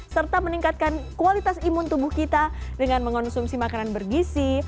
serta meningkatkan kualitas imun tubuh kita dengan mengonsumsi makanan bergisi